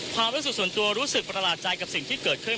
ความรู้สึกส่วนตัวรู้สึกประหลาดใจกับสิ่งที่เกิดขึ้น